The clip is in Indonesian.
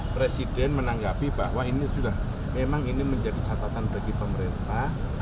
presiden menanggapi bahwa ini sudah memang ini menjadi catatan bagi pemerintah